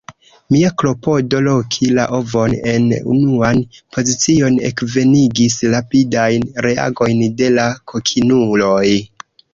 Mia klopodo loki la ovon en unuan pozicion ekvenigis rapidajn reagojn de la kokinuloj.